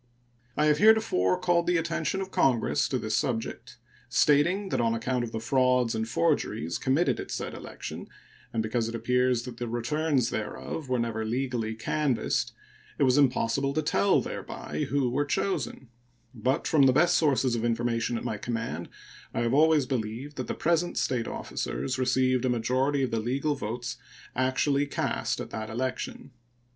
I have heretofore called the attention of Congress to this subject, stating that on account of the frauds and forgeries committed at said election, and because it appears that the returns thereof were never legally canvassed, it was impossible to tell thereby who were chosen; but from the best sources of information at my command I have always believed that the present State officers received a majority of the legal votes actually cast at that election.